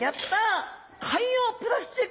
海洋プラスチック汚染。